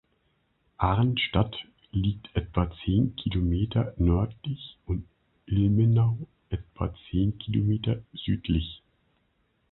Arnstadt liegt etwa zehn Kilometer nördlich und Ilmenau etwa zehn Kilometer südlich.